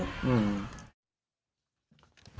อืม